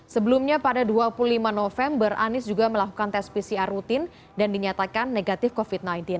sebelumnya pada dua puluh lima november anies juga melakukan tes pcr rutin dan dinyatakan negatif covid sembilan belas